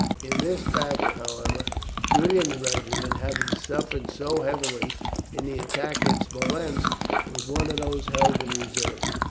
In this battle, however, Julian's regiment, having suffered so heavily in the attack at Smolensk, was one of those held in reserve.